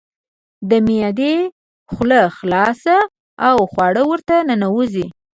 د معدې خوله خلاصه او خواړه ورته ننوزي.